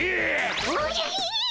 おじゃひ！